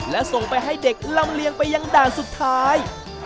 และส่งไปให้เด็กลำเลียงไปยังด่านสุดท้าย